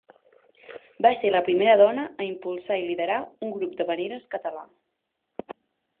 Va ser la primera dona a impulsar i liderar un grup d'havaneres català.